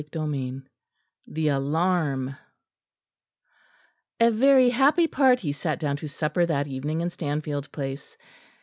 CHAPTER IX THE ALARM A very happy party sat down to supper that evening in Stanfield Place.